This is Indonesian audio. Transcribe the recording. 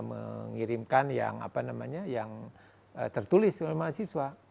mengirimkan yang tertulis oleh mahasiswa